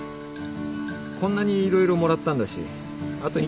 こんなに色々もらったんだしあと１軒行っとくか。